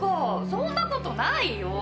そんなことないよ。